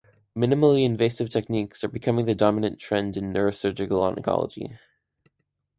Minimally invasive techniques are becoming the dominant trend in neurosurgical oncology.